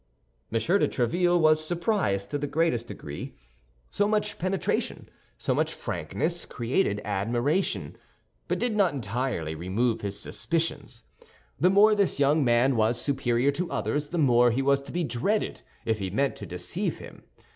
M. de Tréville was surprised to the greatest degree. So much penetration, so much frankness, created admiration, but did not entirely remove his suspicions. The more this young man was superior to others, the more he was to be dreaded if he meant to deceive him.